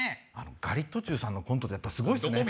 ガリットチュウさんのコントってやっぱすごいっすね。